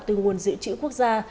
từ nguồn dự trữ quốc gia